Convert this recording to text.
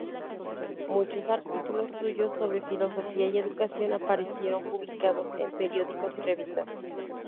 Muchos artículos suyos sobre filosofía y educación aparecieron publicados en periódicos y revistas.